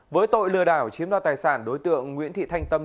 với tội lừa đảo chiếm đoạt tài sản đối tượng nguyễn thị thanh tâm